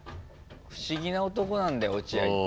不思議な男なんだよ落合って。